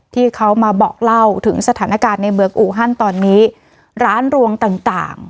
ที่เขามาบอกเล่าถึงสถานการณ์ในเมืองอูฮันตอนนี้ร้านรวงต่างต่าง